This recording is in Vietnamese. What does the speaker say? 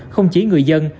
không chỉ người dân